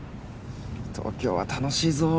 東京は楽しいぞ。